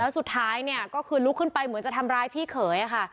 สุดท้ายเนี่ยก็คือลุกขึ้นไปเหมือนจะทำร้ายพี่เขยค่ะ